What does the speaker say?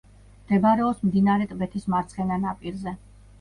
მდებარეობს მდინარე ტბეთის მარცხენა ნაპირზე.